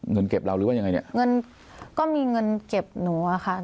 เงินเก็บเราหรือว่ายังไงเนี่ยเงินก็มีเงินเก็บหนูอะค่ะ